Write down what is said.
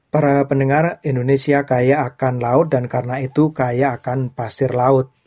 para pendengar indonesia kaya akan laut dan karena itu kaya akan pasir laut